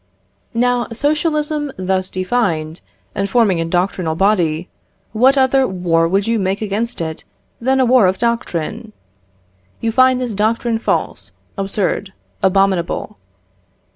Now socialism, thus defined, and forming a doctrinal body, what other war would you make against it than a war of doctrine? You find this doctrine false, absurd, abominable.